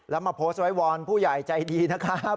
แล้วมาโพสต์ไว้วอนผู้ใหญ่ใจดีนะครับ